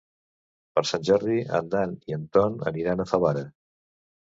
Per Sant Jordi en Dan i en Ton aniran a Favara.